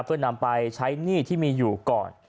เพื่อนำไปใช้หนี้ที่มีอยู่ก่อน